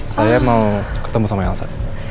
saya mau ketemu sama elsa